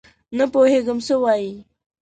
نه پوهېږم څه وایې ؟؟